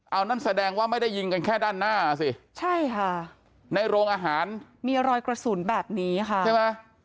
เอานั่นแสดงว่าไม่ได้ยิงกันแค่ด้านหน้าสิใช่ค่ะในโรงอาหารมีรอยกระสุนแบบนี้ค่ะใช่ไหม